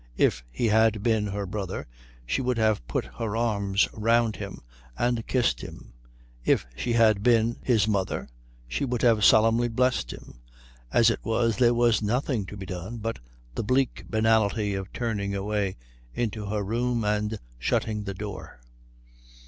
If he had been her brother she would have put her arms round him and kissed him. If she had been his mother she would have solemnly blessed him. As it was there was nothing to be done but the bleak banality of turning away into her room and shutting the door.